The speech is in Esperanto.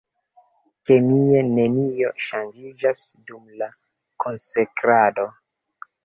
Kemie nenio ŝanĝiĝas dum la konsekrado.